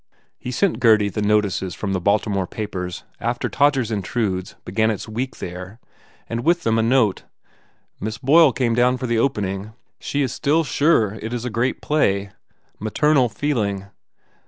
He sent Gurdy the notices from the Baltimore papers after "Todgers Intrudes" began its week there and with them a note: "Miss Boyle came down for the opening. She is still sure this is a great play. Maternal feeling.